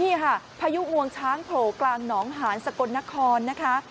นี่ค่ะพายุงวงช้างโผล่กลางหนองหานสกลนครนะคะ